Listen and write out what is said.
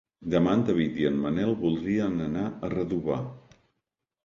Demà en David i en Manel voldrien anar a Redovà.